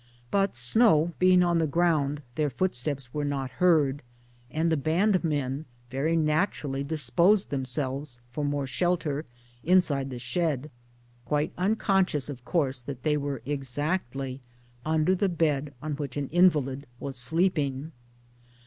But, snow being on the ground, their footsteps were not heard ; and the bandmen very naturally disposed themselves, for more shelter, inside the shed, quite unconscious of course that they were exactly underneath the bed on which an invalid was sleeping.